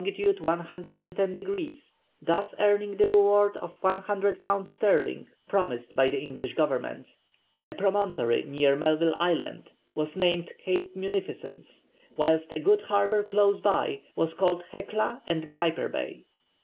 110 degrees, thus earning the reward of 100_l_. sterling promised by the English Government. A promontory near Melville Island was named Cape Munificence, whilst a good harbour close by was called Hecla and Griper Bay.